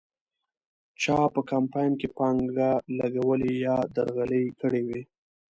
چا په کمپاین کې پانګه لګولې یا درغلۍ کړې وې.